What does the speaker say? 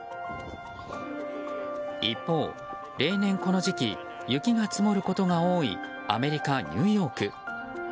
一方、例年この時期雪が積もることが多いアメリカ・ニューヨーク。